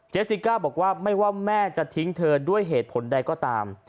ซิก้าบอกว่าไม่ว่าแม่จะทิ้งเธอด้วยเหตุผลใดก็ตาม